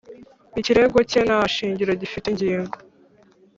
Ikirego cye nta shingiro gifite ingingo